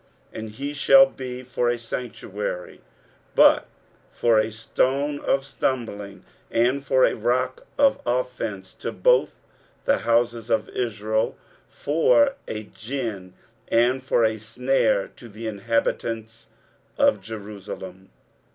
23:008:014 And he shall be for a sanctuary; but for a stone of stumbling and for a rock of offence to both the houses of Israel, for a gin and for a snare to the inhabitants of Jerusalem.